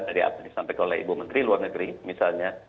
dari atas disampaikan oleh ibu menteri luar negeri misalnya